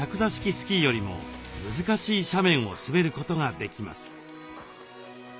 スキーよりも難しい斜面を滑ることができます。